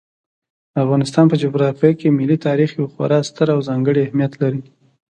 د افغانستان په جغرافیه کې ملي تاریخ یو خورا ستر او ځانګړی اهمیت لري.